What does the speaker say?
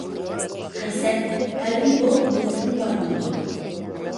قەيسەر: ھەربىي بول مىلتىقىڭ بار بولىدۇ.